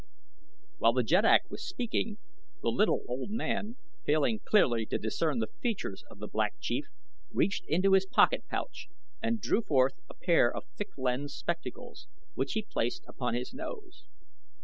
While the jeddak was speaking the little, old man, failing clearly to discern the features of the Black Chief, reached into his pocket pouch and drew forth a pair of thick lensed spectacles, which he placed upon his nose.